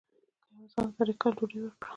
که یو انسان ته درې کاله ډوډۍ ورکړه.